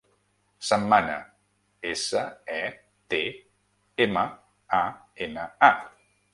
Setmana: essa, e, te, ema, a, ena, a.